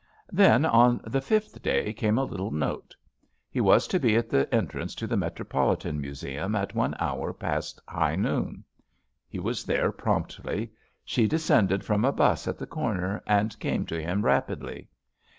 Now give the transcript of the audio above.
Then on the fifth day came a little note. He was to be at the entrance to the Metro politan Museum at one hour past high noon. He was there promptly. She descended from a bus at the corner and came to him rapidly.